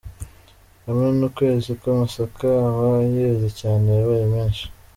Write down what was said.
Kamena : Ukwezi kw’amasaka aba yeze cyane yabaye menshi.